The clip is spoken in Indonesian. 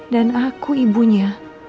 dan aku ibunya